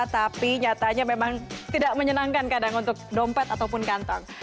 tapi nyatanya memang tidak menyenangkan kadang untuk dompet ataupun kantong